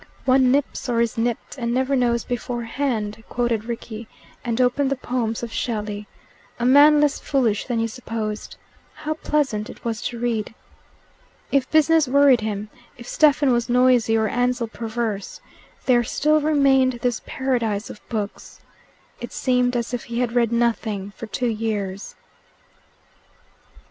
"One nips or is nipped, and never knows beforehand," quoted Rickie, and opened the poems of Shelley, a man less foolish than you supposed. How pleasant it was to read! If business worried him, if Stephen was noisy or Ansell perverse, there still remained this paradise of books. It seemed as if he had read nothing for two years.